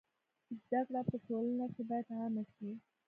زده کړه په ټولنه کي بايد عامه سي.